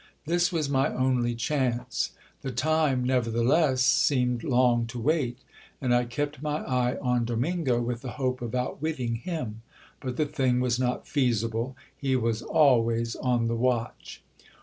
This was my only chance. The time nevertheless seemed long to wait, and I kept my eye. on Domingo, with the hope of outwitting him : but the thing was not feasible ; he was always on the watch.